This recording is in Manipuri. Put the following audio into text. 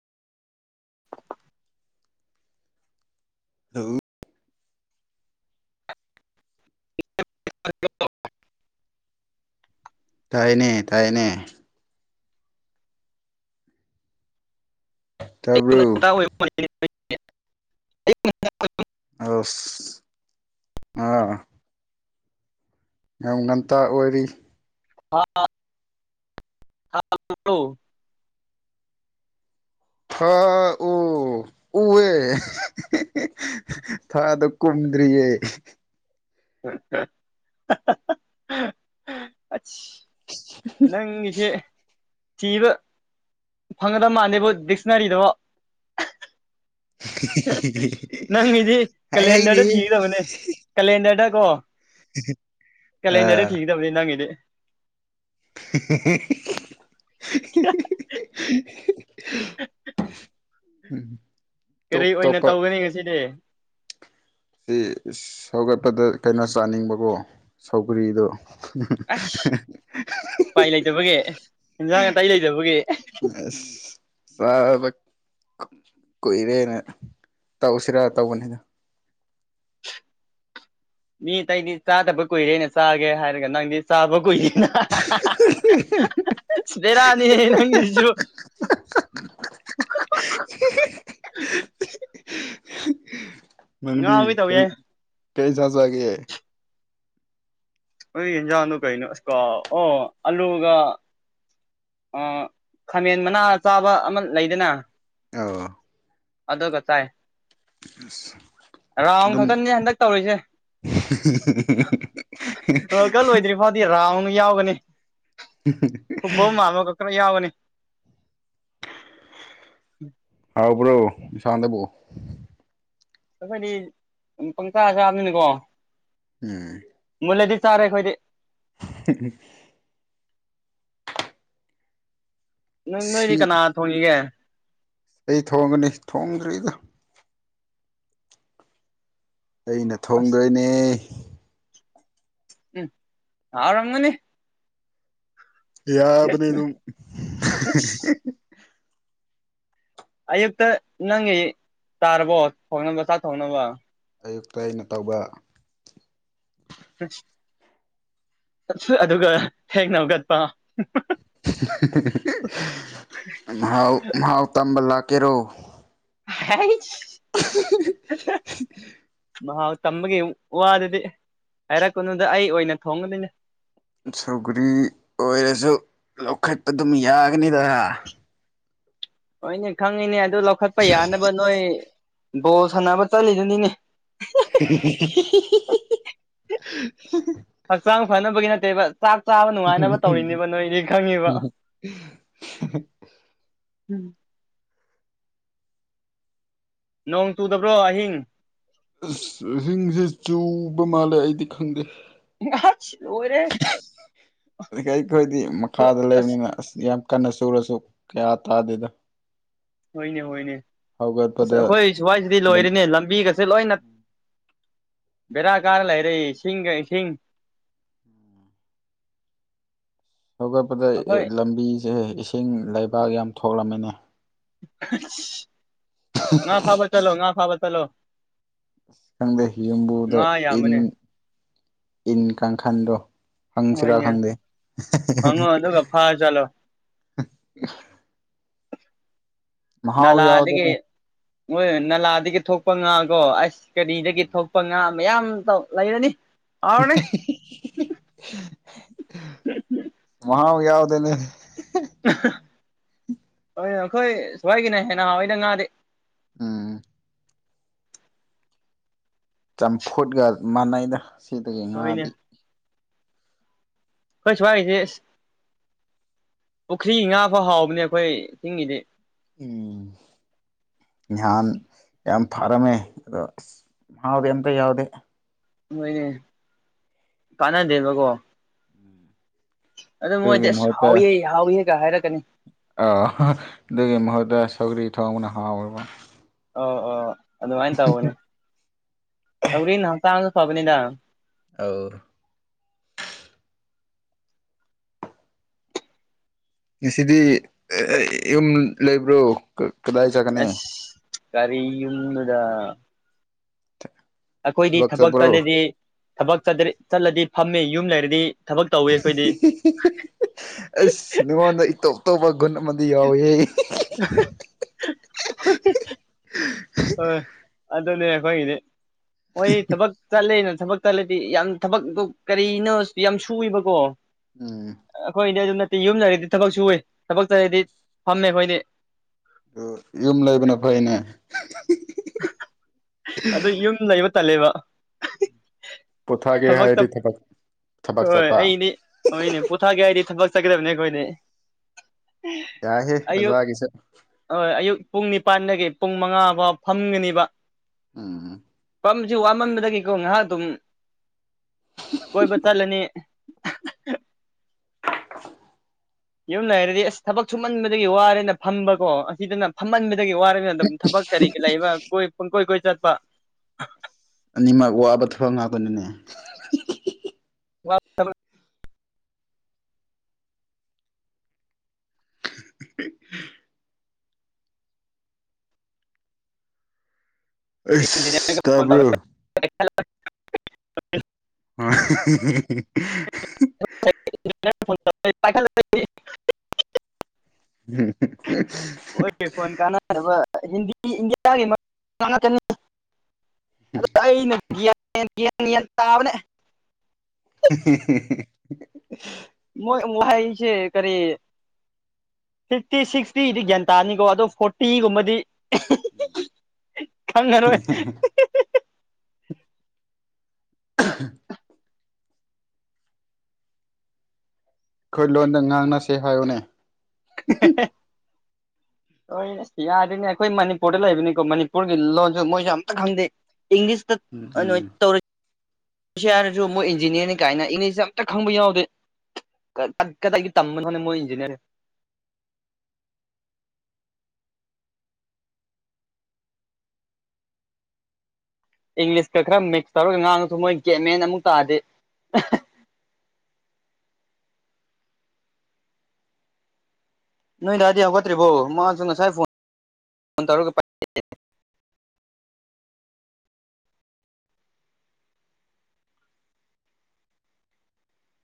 ꯍꯂꯣ [unintelligible] ꯇꯥꯏꯅꯦ ꯇꯥꯏꯅꯦ ꯇꯥꯕ꯭ꯔꯣ [unintelligible] ꯑ ꯑꯥ ꯉ ꯉꯟꯇ ꯑꯣꯏꯔꯤ ꯍ ꯍꯂꯣ ꯍ ꯑꯣ ꯎꯦ ꯊꯥꯗ ꯀꯨꯝꯨꯝꯗ꯭ꯔꯤꯌꯦ ꯎ ꯅꯪꯒꯤꯁꯦ ꯁꯤꯕ ꯐꯪꯒꯗꯕ ꯃꯥꯟꯗꯦꯕꯨꯣ ꯗꯤꯛꯁꯅꯔꯤꯗꯕꯣ ꯅꯪꯒꯤꯗꯤ ꯍꯥꯏ ꯀꯦꯂꯦꯟꯗꯔꯗ ꯍꯩꯅꯦꯍꯦ ꯊꯤꯒꯗꯕꯅꯦ ꯀꯦꯂꯦꯟꯗꯔꯗ ꯀꯣ ꯑꯥ ꯀꯦꯂꯦꯟꯗꯔꯗ ꯊꯤꯒꯗꯕꯅꯤ ꯅꯪꯒꯤꯗꯤ [unintelligible] [unintelligible] ꯎꯝ ꯀꯔꯤ ꯇꯣꯞ ꯑꯣꯏꯅ ꯇꯣꯞꯄ ꯇꯧꯒꯅꯤ ꯉꯁꯤꯗꯤ ꯁꯤ ꯁꯧꯒꯠꯄꯗ ꯀꯩꯅꯣ ꯆꯥꯅꯤꯡꯕꯀꯣ ꯁꯧꯒ꯭ꯔꯤꯗꯣ ꯑꯁ [unintelligible] ꯎꯄꯥꯏ ꯂꯩꯇꯕꯒꯤ ꯌꯦꯟꯁꯥꯡ ꯅꯥꯇꯇꯩ ꯂꯩꯇꯕꯒꯤ ꯑꯁ ꯆꯥꯕ ꯀꯨꯏꯔꯦꯅ ꯇꯧꯁꯤꯔꯥ ꯇꯧꯕꯅꯤꯗ [unintelligible] ꯃꯤ ꯑꯇꯩꯗꯤ ꯆꯥꯗꯕ ꯀꯨꯏꯔꯦꯅ ꯆꯥꯒꯦ ꯍꯥꯏꯔꯒ ꯅꯪꯗꯤ ꯆꯥꯕ ꯀꯨꯏꯗꯦꯅ ꯁꯄꯦꯔꯥꯅꯤ ꯅꯪꯁꯤꯁꯨꯁꯨ [unintelligible] ꯃꯟꯕꯤ ꯉꯥꯎꯒꯦ ꯀꯩ ꯇꯧꯋꯦ ꯀꯩ ꯆꯖꯥꯖ ꯋꯥꯒꯦ ꯍꯥꯏ ꯍ ꯌꯦꯟꯖꯥꯡꯗꯨ ꯀꯩꯅꯣ ꯑꯁ ꯀꯣ ꯑꯣ ꯑꯜꯂꯨꯒ ꯑ ꯈꯥꯃꯦꯟ ꯃꯅꯥ ꯆꯥꯕ ꯑꯃ ꯂꯩꯗꯅ ꯑ ꯑꯗꯨꯒ ꯆꯥꯏ ꯑꯁ ꯔꯥꯎꯟ ꯑꯗꯨꯝ ꯈꯛꯇꯅꯦ ꯍꯟꯗꯛ ꯇꯧꯔꯤꯁꯦ [unintelligible] ꯋꯥꯔꯜ ꯀꯞ ꯂꯣꯏꯗ꯭ꯔꯤ ꯐꯥꯎꯗꯤ ꯔꯥꯎꯟ ꯌꯥꯎꯒꯅꯤ ꯐꯨꯠꯕꯣꯜ ꯃꯃ ꯌꯥꯕꯅꯤ ꯭ꯔ ꯁꯥꯟꯗ ꯄꯣ ꯑꯩꯈꯣꯏꯗꯤ ꯄꯪꯆꯥ ꯆꯥꯕꯅꯤꯅꯀꯣ ꯎꯝ ꯍꯜꯂꯗꯤ ꯆꯥꯔꯦ ꯑꯩꯈꯣꯏꯗꯤ [unintelligible] ꯅꯣꯏ ꯅꯣꯏꯗꯤ ꯁꯤ ꯀꯅꯥ ꯊ ꯊꯣꯛꯅꯤꯒ ꯑꯩ ꯊꯣꯡꯉꯅꯤ ꯊꯣꯡꯗ꯭ꯔꯤꯗ ꯑꯩꯅ ꯑꯁ ꯊꯣꯡꯗꯣꯏꯅꯦ ꯎꯝ ꯑꯔꯃꯅꯤ ꯌꯥꯕꯅꯦ ꯑꯗꯨꯝ ꯑꯌꯨꯛꯇ ꯅꯪꯒꯤ ꯆꯥꯔꯕꯣ ꯊꯣꯡꯅꯕ ꯆꯥꯛ ꯊꯣꯡꯅꯕ ꯑꯌꯨꯛꯇ ꯑꯩꯅ ꯇꯧꯕ ꯑ ꯑꯗꯨꯒ ꯍꯦꯡꯅꯕꯒꯠꯄ ꯃꯍꯥꯎ ꯃꯍꯥꯎ ꯇꯝꯕ ꯂꯥꯛꯀꯦꯔꯣ ꯃꯍꯥꯛꯥꯎ ꯇꯝꯕꯒꯤ ꯋꯥꯗꯨꯗꯤ ꯍꯥꯏꯔꯛꯀꯅꯨꯗ ꯑꯩ ꯑꯣꯏꯅ ꯊꯣꯡꯒꯅꯤꯣꯏꯅꯦ ꯁꯧꯒꯔꯤ ꯑꯣꯏꯔꯁꯨ ꯂꯧꯈꯠꯄ ꯑꯗꯨꯝ ꯌꯥꯒꯅꯤꯗ ꯍꯣꯏꯅꯦ ꯈꯪꯉꯤꯅꯦ ꯑꯗꯨ ꯂꯧꯈꯠꯄ ꯌꯥꯅꯕ ꯅꯣꯏ ꯕꯣꯜ ꯁꯥꯟꯅꯕ ꯆꯠꯂꯤꯗꯨꯅꯤꯅꯦ ꯍꯛꯆꯥꯡ ꯐꯅꯕꯒꯤ ꯅꯠꯇꯦꯕ ꯆꯥꯛ ꯆꯥꯕ ꯅꯨꯡꯉꯥꯏꯅꯕ ꯇꯧꯔꯤꯅꯦꯕ ꯅꯣꯏꯗꯤ ꯈꯪꯉꯤꯕ ꯎꯝ ꯅꯣꯡ ꯇꯨꯗꯕ꯭ꯔꯣ ꯑꯍꯤꯡ ꯑ ꯁꯤꯡꯁꯦ ꯆꯨꯕ ꯃꯥꯜꯂꯦ ꯑꯩꯗꯤ ꯈꯪꯗꯦ ꯑꯁ ꯂꯣꯏꯔꯦ ꯑꯩꯈꯣꯏꯗꯤ ꯃꯈꯥꯗ ꯂꯩꯕꯅꯤꯅ ꯑꯁ ꯌꯥꯝ ꯀꯟꯅ ꯁꯨꯔꯁꯨ ꯀꯌꯥ ꯇꯥꯗꯦꯗ ꯍꯣꯏꯅꯦ ꯍꯣꯏꯅꯦ ꯑꯁ ꯍꯧꯒꯠꯄꯗ ꯑꯩꯈꯣꯏ ꯁꯋꯥꯏꯁꯤꯗꯤ ꯂꯝ ꯂꯣꯏꯔꯤꯅꯦ ꯂꯝꯕꯤꯒꯁꯦ ꯂꯣꯏꯅ ꯕꯔꯥ ꯀꯥꯔ ꯂꯩꯔ ꯁꯤꯡꯁꯤꯡ [unintelligible] ꯍꯧꯒꯠꯄꯗ ꯂꯝꯕꯤꯁꯦ ꯏꯁꯤꯡ ꯂꯩꯕꯥꯛ ꯌꯥꯝ ꯊꯣꯛꯂꯝꯃꯤꯅꯦ ꯉ ꯐꯥꯕ ꯆꯂꯣ ꯉ ꯐꯥꯕ ꯆꯂꯣ ꯑ ꯈꯪꯗꯦ ꯌꯨꯝꯕꯨꯗ ꯏꯟ ꯌꯥꯝꯕꯅꯦ ꯏꯟ ꯀꯥꯡꯈꯟꯗꯣ ꯍꯪꯁꯤꯔꯥ ꯍꯣꯏꯅꯦ ꯈꯪꯗꯦ ꯍꯪꯉꯣ ꯑꯗꯨꯒ ꯐꯥꯔ ꯆꯠꯂꯣ [unintelligible] ꯃꯥꯥꯎ ꯌꯥꯎꯗ ꯍꯣꯏ ꯅꯂꯥꯗꯒꯤ ꯊꯣꯛꯄ ꯉꯥꯒꯣ ꯑꯁ ꯀꯔꯤꯗꯒꯤ ꯊꯣꯛꯄ ꯉꯥ ꯃꯌꯥꯝ ꯂꯩꯔꯅꯤ ꯑꯅꯦ ꯃꯖꯥꯗꯅꯦ ꯍ ꯑꯩꯈꯣꯏ ꯁ꯭ꯋꯥꯏꯒꯤꯅ ꯍꯦꯟꯅ ꯍꯥꯟꯋꯥꯏꯅ ꯉꯥꯗꯤꯦ ꯑꯝ ꯆꯝꯐꯨꯠꯒ ꯃꯥꯟꯅꯩꯗ ꯁꯤꯗꯒꯤ ꯍꯣꯏꯅꯦ ꯉꯥꯗꯤ ꯑꯈ‌ꯣꯏ ꯁꯨꯋꯥꯏꯁ ꯄꯨꯈ꯭ꯔꯤ ꯉꯥ ꯐꯥꯎ ꯍꯥꯎꯕꯅꯦ ꯑꯩꯈꯣꯏꯤꯡꯉꯗꯤ ꯎꯝ ꯅꯍꯥꯟ ꯌꯥꯝ ꯐꯥꯔꯝꯃꯦ ꯑꯗꯣ ꯑꯁ ꯍꯥꯎꯗꯤ ꯑꯝꯇ ꯌꯥꯎꯗꯦ ꯅꯣꯏꯅꯦ ꯀꯥꯟꯅꯗꯦꯕꯀꯣ ꯑꯗꯨ ꯑꯗꯨꯒꯤ ꯃꯣꯏꯗꯤ ꯑꯥꯁ ꯍꯥꯎꯏꯦ ꯍꯥꯎꯏꯦꯒ ꯍꯥꯏꯔꯛꯀꯅꯤ ꯑ ꯑꯗꯨꯒꯤ ꯃꯍꯨꯠꯇ ꯁꯧꯒꯔꯤ ꯊꯣꯡꯅ ꯍꯥꯎꯕ ꯑꯣ ꯑꯣ ꯑꯗꯨꯃꯥꯏꯅ ꯇꯧꯕꯅꯦ ꯇꯧꯔꯤꯅ ꯍꯛꯆꯥꯡꯁꯨ ꯐꯕꯅꯤꯗ ꯑꯧ ꯉꯁꯤꯗꯤ ꯌꯨꯝ ꯂꯩꯕ꯭ꯔꯣ ꯀꯗꯥꯏ ꯆꯠꯀꯅꯤ ꯑꯁ ꯀꯔꯤ ꯌꯨꯟꯗꯨꯗꯥ ꯑꯩꯈꯣꯏꯗꯤ ꯊꯕꯛ ꯆꯠꯂꯗꯤ ꯊꯕꯛ ꯆꯠꯂꯗꯤ ꯐꯝꯃꯤ ꯌꯨꯝ ꯂꯩꯔꯗꯤ ꯊꯕꯛ ꯇꯧꯋꯤ ꯑꯩꯈꯣꯏꯗꯤ ꯑꯁ ꯅꯅꯨꯡꯉꯣꯟꯅꯣ ꯏꯇꯣꯞ ꯒꯨꯟꯃꯗꯤ ꯌꯥꯎ ꯍꯣꯏ ꯑꯗꯨꯅꯦ ꯑꯩꯈꯣꯏꯒꯤꯗꯤ ꯃꯣꯏ ꯊꯕꯛ ꯆꯠꯂꯦꯅ ꯊꯕꯛꯇꯂꯗꯤ ꯌꯥꯝ ꯊꯕꯛꯇꯣ ꯀꯔꯤꯅꯣ ꯌꯥꯝ ꯁꯨꯏꯕꯀꯣ ꯎꯝ ꯑꯩꯈꯣꯏꯗꯤ ꯑꯗꯨꯝ ꯅꯠꯇꯦ ꯌꯨꯝ ꯂꯩꯔꯗꯤ ꯊꯕꯛ ꯁꯨꯏ ꯊꯕꯛ ꯆꯔꯗꯤ ꯐꯝꯃꯦ ꯑꯩꯈꯣꯏꯗꯤ ꯑ ꯌꯨꯝ ꯂꯩꯕꯅ ꯐꯩꯅꯦ ꯑꯗꯨ ꯌꯨꯝ ꯂꯩꯕ ꯇꯜꯂꯦꯕ ꯄꯣꯊꯥꯒꯦ ꯊꯕ ꯍꯥꯏꯔꯗꯤ ꯊꯕꯛ ꯊꯕꯛ ꯍꯣꯏ ꯆꯠꯄ ꯑꯩꯅꯦ ꯑꯩꯅꯦ ꯄꯣꯊꯥꯒꯦ ꯍꯥꯏꯗꯤ ꯊꯕꯛ ꯆꯠꯀꯗꯕꯅꯦ ꯑꯩꯈꯣꯏꯅꯦ ꯌꯥꯏꯍꯦ ꯑꯌꯨꯛ ꯑꯣꯖꯥꯒꯤꯁꯦ ꯍ ꯑꯌꯨꯛ ꯄꯨꯡ ꯅꯤꯄꯥꯟꯗꯒꯤ ꯄꯨꯡ ꯃꯉꯥ ꯐꯥꯎ ꯐꯝꯒꯅꯤꯕ ꯑꯥ ꯃꯁꯤ ꯋꯥꯃꯟꯕꯗꯒꯤꯀꯣ ꯉꯥꯏꯍꯥꯛ ꯑꯗꯨꯝ ꯀꯣꯏꯕ ꯆꯠꯂꯅꯤ [unintelligible] ꯌꯨꯝ ꯂꯩꯔꯗꯤ ꯑꯁ ꯊꯕꯛ ꯁꯨꯃꯟꯕꯗꯒꯤ ꯋꯥꯔꯦꯅ ꯐꯝꯕꯀꯣ ꯑꯁꯤꯗꯅ ꯐꯝꯍꯟꯕ ꯑꯗꯨꯒꯤ ꯋꯥꯔꯅꯤꯅ ꯑꯗꯨꯝ ꯊꯕꯛ ꯀꯔꯤ ꯂꯩꯕ ꯀꯣꯏ ꯄꯨꯡ ꯀꯣꯏ ꯀꯣꯏ ꯆꯠꯄ ꯑꯅꯤꯃꯛ ꯋꯥꯕ ꯊꯕꯛ ꯉꯥꯛꯇꯅꯅꯦ ꯋꯥ [unintelligible] ꯏꯅꯤ ꯑꯩꯁ ꯇꯥꯕ꯭ꯔꯣ ꯑ ꯄꯥꯏ ꯎꯝ ꯐꯣꯟ ꯀꯥꯟꯅꯗꯕ ꯍꯤꯟꯗꯤ ꯏꯟꯗꯤꯌꯥꯒꯤ ꯑꯩꯅ ꯌꯥꯌꯥ ꯇꯕꯅꯦ [unintelligible] ꯃꯣꯏ ꯍꯥꯏ ꯏꯁꯦ ꯀꯔꯤ ꯐꯤꯐꯇꯤ ꯁꯤꯛꯁꯇꯤꯗꯤ ꯒ꯭ꯌꯥꯟ ꯇꯥꯅꯤꯀꯣ ꯑꯗꯣ ꯐꯣꯔꯇꯤꯒꯨꯝꯕꯗꯤ ꯈꯪꯉꯔꯣꯏ [unintelligible] ꯑꯩꯈꯣꯏ ꯂꯣꯟꯗ ꯉꯥꯡꯅꯁꯦ ꯍꯥꯏꯌꯨꯅꯦ [unintelligible] ꯍꯣꯏ ꯌꯥꯔꯤꯣꯏꯅꯦ ꯑꯩꯈꯣꯏ ꯃꯅꯤꯄꯨꯔꯗ ꯂꯩꯕꯅꯤꯀꯣ ꯃꯅꯤꯄꯨꯔꯒꯤ ꯂꯣꯟꯁꯨ ꯃꯣꯏꯁꯨ ꯑꯝꯇ ꯈꯪꯗꯦ ꯎꯝ ꯏꯪꯂꯤꯁꯇ ꯎꯝ ꯇꯧꯔ ꯄꯁ ꯍꯥꯏꯔꯁꯨ ꯃꯣꯏ ꯏꯟꯖꯤꯅꯤꯌꯥꯔꯅꯤ ꯀꯥꯏꯅ ꯏꯪꯂꯤꯁꯁꯦ ꯑꯝꯇ ꯈꯪꯕ ꯌꯥꯎꯗꯦ ꯊ ꯀ ꯇꯒꯤ ꯇꯝꯝꯕꯅ ꯍꯅ ꯃꯣꯏ ꯏꯟꯖꯤꯅꯤꯌꯔ [inaudible] ꯏꯪꯂꯤꯁꯀ ꯈꯔ ꯃꯤꯛꯁ ꯇꯧꯔꯒ ꯉꯥꯡꯉꯁꯨ ꯃꯣꯏ ꯒꯦꯃꯦꯟ ꯑꯃꯨꯛ ꯇꯥꯗꯤꯦ [inaudible] ꯅꯣꯏ ꯗꯥꯗꯤ ꯍꯧꯒꯠꯇ꯭ꯔꯤꯕꯣ ꯃꯥꯁꯨ ꯉꯁꯥꯏ ꯐꯣꯟ ꯇꯧꯔ [inaudible]